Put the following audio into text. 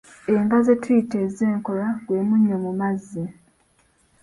Enva ze tuyita ez’enkolwa gwe munnyo mu mazzi.